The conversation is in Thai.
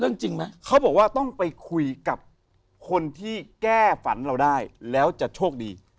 จริงไหมเขาบอกว่าต้องไปคุยกับคนที่แก้ฝันเราได้แล้วจะโชคดี